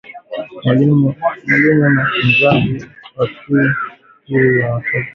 Mwalimu ni mzazi wa pili wa mtoto